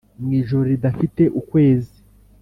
mwijoro ridafite ukwezi